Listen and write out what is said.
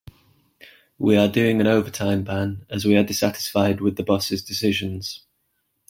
We are doing an overtime ban as we are dissatisfied with the boss' decisions.